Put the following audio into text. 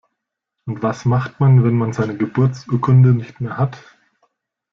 Und was macht man, wenn man seine Geburtsurkunde nicht mehr hat?